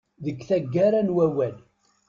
Deg taggara n wawal.